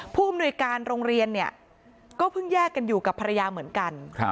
ผู้อำนวยการโรงเรียนเนี่ยก็เพิ่งแยกกันอยู่กับภรรยาเหมือนกัน